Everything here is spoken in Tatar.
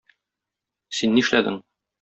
Син нишләдең?